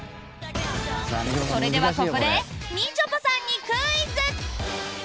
それでは、ここでみちょぱさんにクイズ！